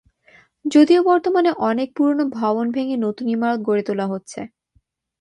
যদিও বর্তমানে অনেক পুরনো ভবন ভেঙে নতুন ইমারত গড়ে তোলা হচ্ছে।